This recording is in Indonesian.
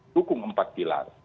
dukung empat pilar